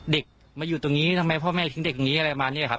เด็กมาอยู่ตรงนี้ทำไมพ่อแม่ทิ้งเด็กนี้อะไรมานี่แหละครับ